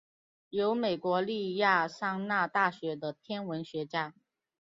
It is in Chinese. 由美国亚利桑那大学的天文化学家。